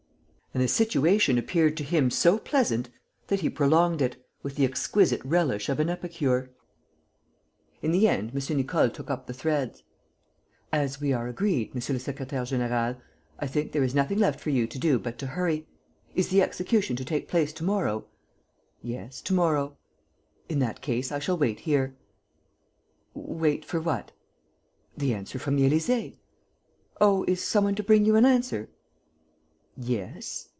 And the situation appeared to him so pleasant that he prolonged it, with the exquisite relish of an epicure. In the end, M. Nicole took up the threads: "As we are agreed, monsieur le secrétaire; général, I think there is nothing left for you to do but to hurry. Is the execution to take place to morrow?" "Yes, to morrow." "In that case, I shall wait here." "Wait for what?" "The answer from the Élysée." "Oh, is some one to bring you an answer?" "Yes."